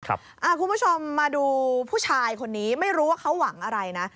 คุณผู้ชมมาดูผู้ชายคนนี้ไม่รู้ว่าเขาหวังอะไรนะ